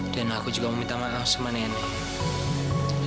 dan aku juga meminta maaf sama nenek